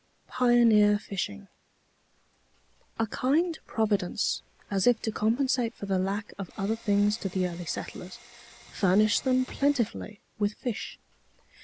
PIONEER FISHING. A kind Providence, as if to compensate for the lack of other things to the early settlers, furnished them plentifully with fish.